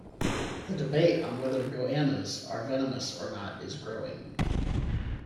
The debate on whether goannas are venomous or not is growing.